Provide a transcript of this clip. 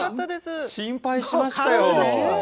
心配しましたよ。